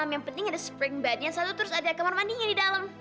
yang penting ada spring bad yang satu terus ada kamar mandinya di dalam